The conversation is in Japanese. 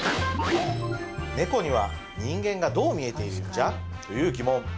猫には人間がどう見えているんじゃ？という疑問